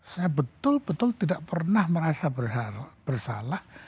saya betul betul tidak pernah merasa bersalah